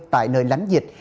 tại nơi lánh dịch